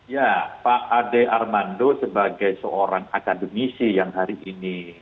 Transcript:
ya pak ade armando sebagai seorang akademisi yang harianya